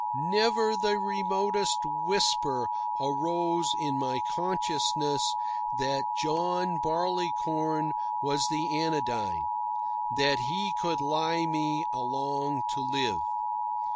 Never the remotest whisper arose in my consciousness that John Barleycorn was the anodyne, that he could lie me along to live.